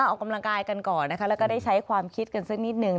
ออกกำลังกายกันก่อนนะคะแล้วก็ได้ใช้ความคิดกันสักนิดนึง